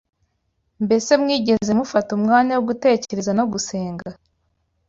Mbese mwigeze mufata umwanya wo gutekereza no gusenga